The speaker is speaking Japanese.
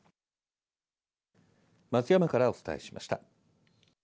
松山からお伝えしました。